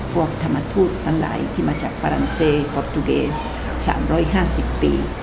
พวกธรรมทูตนั้นไหลที่มาจากฝรั่งเศสปอร์ตูเกต๓๕๐ปี